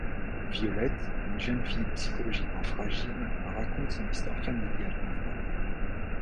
Violette, une jeune fille psychologiquement fragile, raconte son histoire familiale mouvementée.